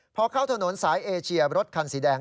พอเข้าถนนสายเอเชียรถคันสีแดง